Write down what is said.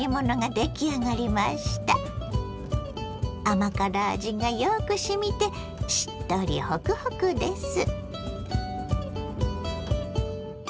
甘辛味がよく染みてしっとりホクホクです。